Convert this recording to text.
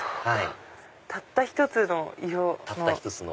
たった１つの色の。